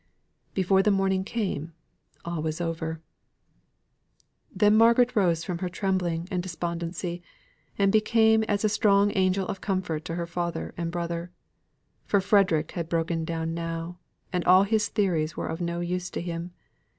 Before the morning came all was over. Then Margaret rose from her trembling and despondency, and became as a strong angel of comfort to her father and brother. For Frederick had broken down now, and all his theories were of no use to him.